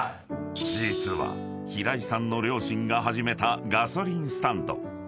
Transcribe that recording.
［実は平井さんの両親が始めたガソリンスタンド］